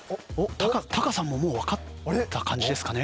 タカさんももうわかった感じですかね？